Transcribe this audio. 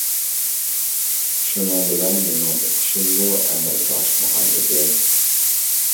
شۇنىڭ بىلەن مېنىڭ ئوقۇشۇممۇ ئەمەلگە ئاشمىغان ئىدى.